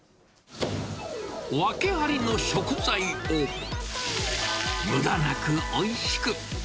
訳ありの食材をむだなくおいしく。